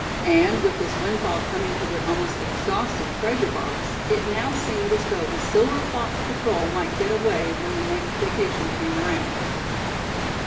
And with this windfall coming to their almost exhausted treasure box, it now seemed as though the Silver Fox Patrol might get away when the next vacation came around.